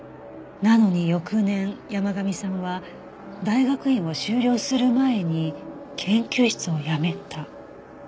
なのに翌年山神さんは大学院を修了する前に研究室を辞めた